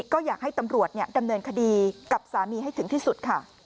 ก็อยากให้ตำรวจดำเนินคดีกับสามีให้ถึงที่สุดค่ะ